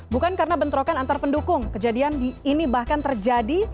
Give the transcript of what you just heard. bukan karena bentrokan antar pendukung kejadian ini bahkan terjadi